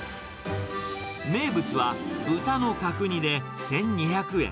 名物は豚の角煮で１２００円。